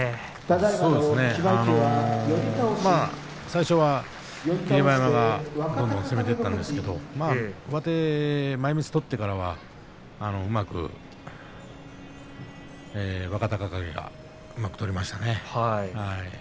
最初は霧馬山がどんどん攻めていったんですが前みつを取ってからは若隆景がうまく取りましたね。